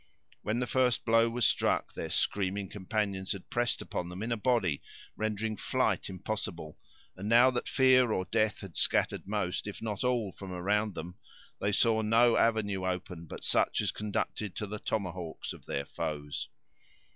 When the first blow was struck, their screaming companions had pressed upon them in a body, rendering flight impossible; and now that fear or death had scattered most, if not all, from around them, they saw no avenue open, but such as conducted to the tomahawks of their foes.